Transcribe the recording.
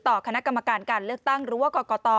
ต่อคณะกรรมการการเลือกตั้งหรือว่ากรกต